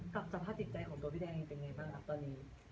กรับจัดผ้าติดใจของตัวพี่แดงเลยเป็นอย่างไรบ้างครับตอนนี้